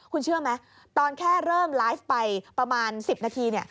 คุณเชื่อไหมตอนแค่เริ่มไลฟ์ไปประมาณ๑๐นาที